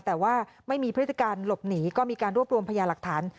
แต่ว่าไม่มีพฤติการหลบหนีก็มีการรวบรวมพยาหลักฐาน